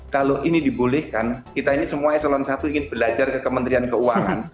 kalau ini dibolehkan kita ini semua eselon satu ingin belajar ke kementerian keuangan